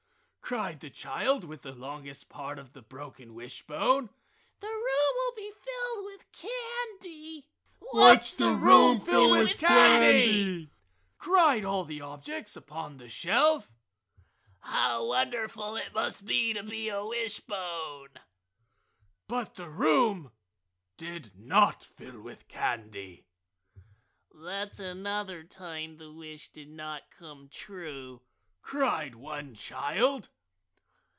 cried the child with the longest part of the broken wishbone, "The room will be filled with candy!" "Watch the room fill with candy!" cried all the objects upon the shelf. "How wonderful it must be to be a wishbone!" But the room did not fill with candy. "That's another time the wish did not come true!" cried one child.